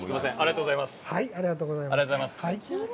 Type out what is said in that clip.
ありがとうございます。